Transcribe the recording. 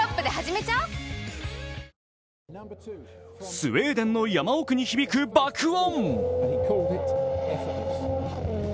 スウェーデンの山奥に響く爆音。